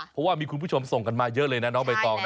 เพราะว่ามีคุณผู้ชมส่งกันมาเยอะเลยนะน้องใบตองนะ